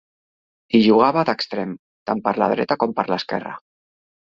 Hi jugava d'extrem, tant per la dreta com per l'esquerra.